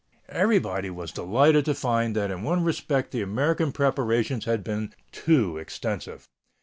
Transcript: Everybody was delighted to find that in one respect the American preparations had been too extensive.